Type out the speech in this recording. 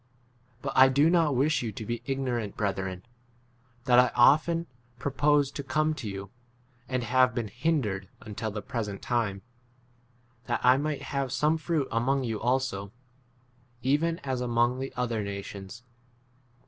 But I do not wish you to be ignorant, brethren, that I often proposed to come to you, (and have been hindered until the present time,) that I might have some fruit among you also, even as among 14 the other nations.